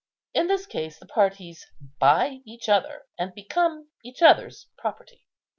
In this case the parties buy each other, and become each other's property.